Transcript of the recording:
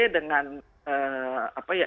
dengan apa ya